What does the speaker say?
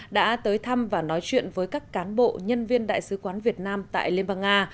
đã tới thăm và nói chuyện với các cán bộ nhân viên đại sứ quán việt nam tại liên bang nga